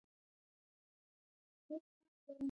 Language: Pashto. ازادي راډیو د اطلاعاتی تکنالوژي موضوع تر پوښښ لاندې راوستې.